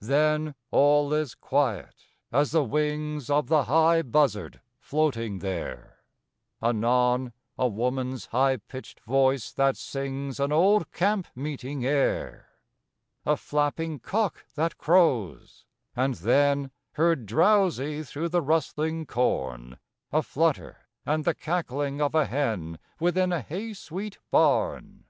Then all is quiet as the wings Of the high buzzard floating there; Anon a woman's high pitched voice that sings An old camp meeting air. A flapping cock that crows; and then Heard drowsy through the rustling corn A flutter, and the cackling of a hen Within a hay sweet barn.